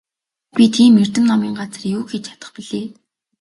Би тийм эрдэм номын газар юу хийж чадах билээ?